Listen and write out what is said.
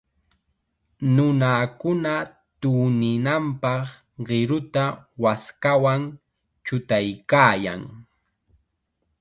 Nunakuna tuninanpaq qiruta waskawan chutaykaayan.